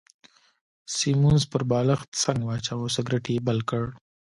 سیمونز پر بالښت څنګ واچاوه او سګرېټ يې بل کړ.